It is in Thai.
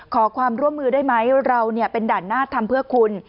ขอความร่วมมือได้ไหมเราเป็นด่านหน้าทำเพื่อคุณ